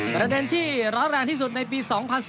ประเด็นที่ร้อนแรงที่สุดในปี๒๐๑๙